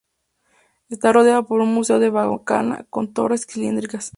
Está rodeado por un muro de barbacana con torres cilíndricas.